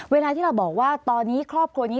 เวลาที่เราบอกว่าตอนนี้ครอบครัวนี้